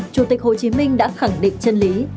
chủ tịch hồ chí minh đã khẳng định chân lý